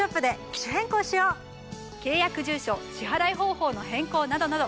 契約住所支払い方法の変更などなど。